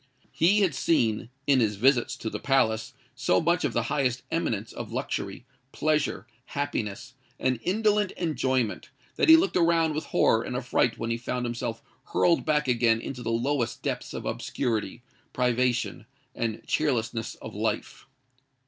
He had seen, in his visits to the palace, so much of the highest eminence of luxury, pleasure, happiness, and indolent enjoyment, that he looked around with horror and affright when he found himself hurled back again into the lowest depths of obscurity, privation, and cheerlessness of life.